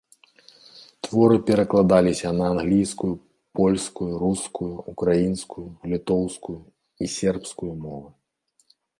Творы перакладаліся на англійскую, польскую, рускую, украінскую, літоўскую і сербскую мовы.